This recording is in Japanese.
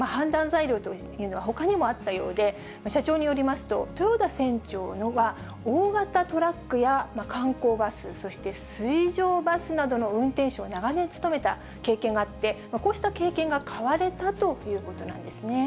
材料というのはほかにもあったようで、社長によりますと、豊田船長は大型トラックや観光バス、そして水上バスなどの運転手を長年務めた経験があって、こうした経験が買われたということなんですね。